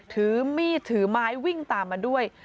ถือมีดถือไม้วิ่งตามมาด้วย